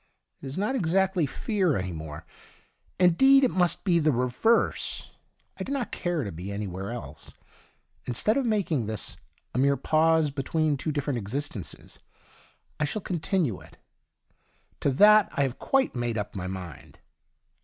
It is not exactly fear any more — indeed^ it must be the I'evei'se. I do not care to be any where else. Instead of making this a mere pause between two different existences, I shall continue it. To that I have quite made up my mind.